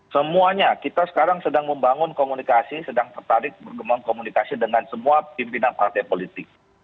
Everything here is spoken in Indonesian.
semuanya kita sekarang sedang membangun komunikasi sedang tertarik bergembang komunikasi dengan semua pimpinan partai politik